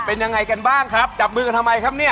เป็นยังไงกันบ้างครับจับมือกันทำไมครับเนี่ย